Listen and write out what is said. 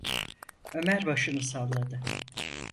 Ömer başını salladı.